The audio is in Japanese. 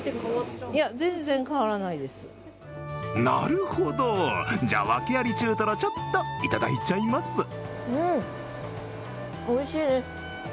なるほど、じゃあ、訳あり中トロ、ちょっといただいちゃいます。